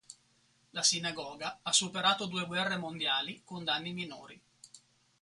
La sinagoga ha superato due guerre mondiali con danni minori.